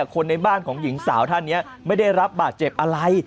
คนในบ้านของหญิงสาวท่านนี้ไม่ได้รับบาดเจ็บอะไร